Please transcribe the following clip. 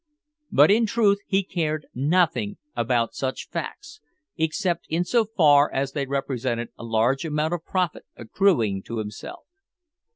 But in truth he cared nothing about such facts, except in so far as they represented a large amount of profit accrueing to himself.